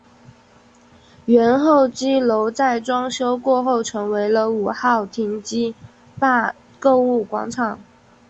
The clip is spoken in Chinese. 原候机楼在装修过后成为了五号停机坪购物广场。